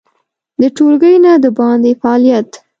د ټولګي نه د باندې فعالیت